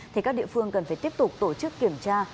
thì các địa phương cần phải tiếp tục tổ chức kiểm tra